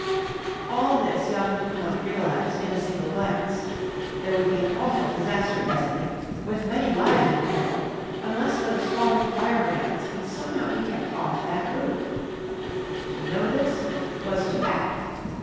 All this young Dupont realized in a single glance. There would be an awful disaster presently, with many lives imperiled, unless those falling firebrands could somehow be kept off that roof. To know this was to act.